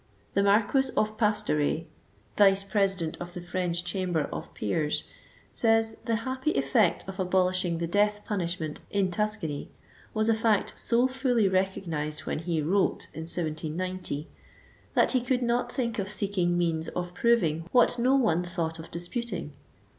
The Marquis of Pastoret, Vice President of the French Chamber of Peers, says, the happy effect of abolishing the death punish ment in Tuscany, was a fact so fully recognised when he wrote, [in 1790] that he could not think of seeking means of proving what no one thought of disputing.